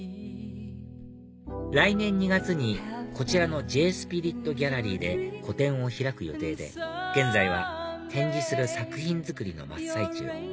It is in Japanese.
来年２月にこちらのＪ−ｓｐｉｒｉｔＧａｌｌｅｒｙで個展を開く予定で現在は展示する作品作りの真っ最中